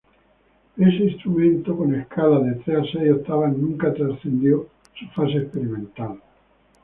Este instrumento, con escalas de tres a seis octavas nunca trascendió su fase experimental.